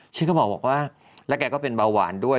ฉันก็บอกว่าแล้วแกก็เป็นเบาหวานด้วย